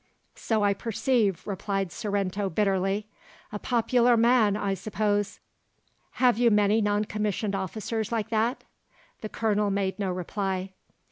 "So I perceive," replied Sorrento bitterly. "A popular man, I suppose. Have you many non commissioned officers like that?" The Colonel made no reply.